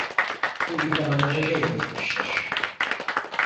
Bu iddiaları reddetmiştir.